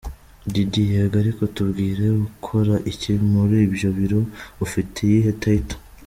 Diddy : Yego ariko tubwire ukora iki muri ibyo biro ? ufite iyihe Title ?.